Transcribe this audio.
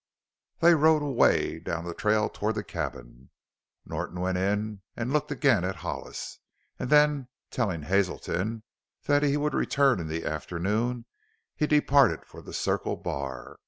They rode away down the trail toward the cabin. Norton went in and looked again at Hollis, and then, telling Hazelton that he would return in the afternoon, he departed for the Circle Bar.